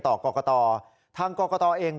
ต่อกรกตทางกรกตเอง